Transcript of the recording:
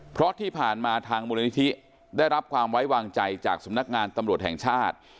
เพราะที่ผ่านมาทางมูลนิธิได้รับความไว้วางใจจากสำนักงานตำรวจแห่งชาติ